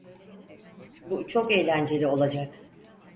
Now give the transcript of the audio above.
Bu çok eğlenceli olacak.